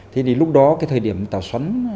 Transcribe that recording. thế thì lúc đó cái thời điểm tạo xuấn